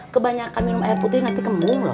kebanyakan minum air putih nanti kembung loh